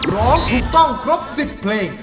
ร้องถูกต้องครบ๑๐เพลง